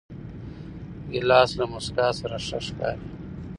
ګیلاس له موسکا سره ښه ښکاري.